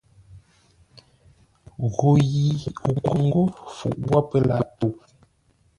Gho yi o kwâŋ ńgó fuʼ wə́ pə́ lâʼ tə̂u.